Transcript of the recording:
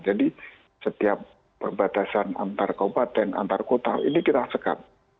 jadi setiap perbatasan antar kabupaten antar kota ini kita sekat